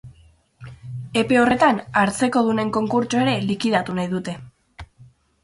Epe horretan hartzekodunen konkurtsoa ere likidatu nahi dute.